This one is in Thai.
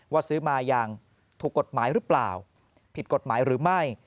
ซื้อมาอย่างถูกกฎหมายหรือเปล่าผิดกฎหมายหรือไม่